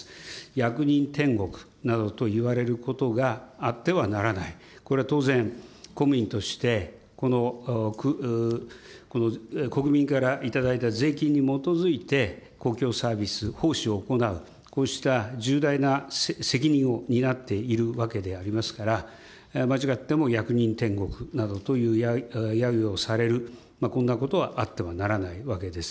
役人天国などと言われることがあってはならない、これは当然、公務員として国民から頂いた税金に基づいて、公共サービス、奉仕を行う、こうした重大な責任を担っているわけでありますから、間違っても役人天国などというやゆをされる、こんなことはあってはならないわけです。